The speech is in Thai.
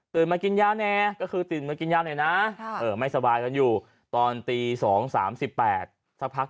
มากินยาแน่ก็คือตื่นมากินยาหน่อยนะไม่สบายกันอยู่ตอนตี๒๓๘สักพัก